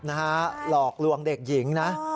หลอกลวงเด็กหญิงนะ